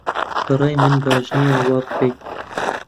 بەڕای من باش نییە وابکەی